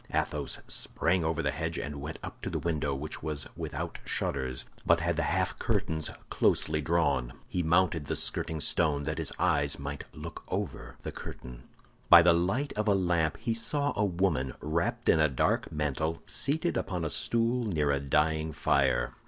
Athos sprang over the hedge and went up to the window, which was without shutters, but had the half curtains closely drawn. He mounted the skirting stone that his eyes might look over the curtain. By the light of a lamp he saw a woman, wrapped in a dark mantle, seated upon a stool near a dying fire.